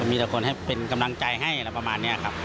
มีแต่คนให้เป็นกำลังใจให้อะไรประมาณนี้ครับ